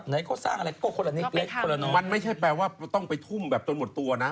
มันไม่ใช่แปลว่าต้องไปทุ่มจนหมดตัวนะ